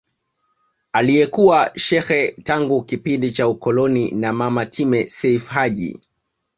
Aliyekuwa shekhe tangu kipindi cha ukoloni na mama Time Seif Haji